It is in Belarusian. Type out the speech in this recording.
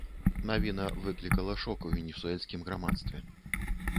Навіна выклікала шок у венесуэльскім грамадстве.